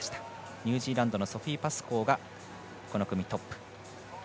ニュージーランドのソフィー・パスコーがこの組トップ。